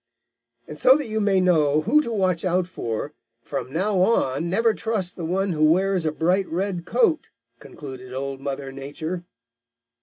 "And so that you may know who to watch out for, from now on never trust the one who wears a bright red coat," concluded Old Mother Nature.